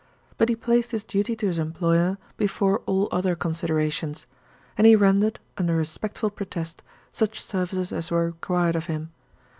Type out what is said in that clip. But he placed his duty to his employer before all other considerations; and he rendered, under respectful protest, such services as were required of him.